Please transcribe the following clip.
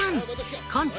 コント